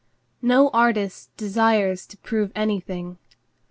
No artist desires to prove anything.